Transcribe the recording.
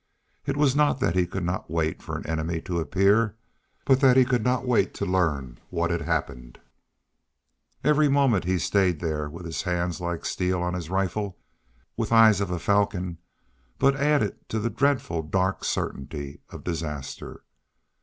It was not that he could not wait for an enemy to appear, but that he could not wait to learn what had happened. Every moment that he stayed there, with hands like steel on his rifle, with eyes of a falcon, but added to a dreadful, dark certainty of disaster.